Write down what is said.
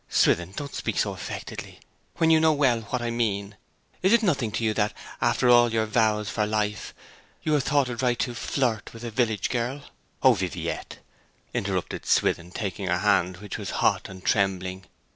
'Swithin, don't speak so affectedly, when you know so well what I mean! Is it nothing to you that, after all our vows for life, you have thought it right to flirt with a village girl?' 'O Viviette!' interrupted Swithin, taking her hand, which was hot and trembling.